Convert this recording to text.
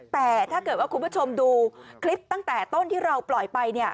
แต่ถ้าเกิดว่าคุณผู้ชมดูคลิปตั้งแต่ต้นที่เราปล่อยไปเนี่ย